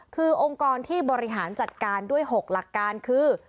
คือองค์กรที่บริหารจัดการด้วย๖หลักการคือ